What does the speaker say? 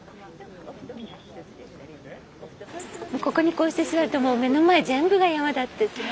ここにこうして座るともう目の前全部が山だって。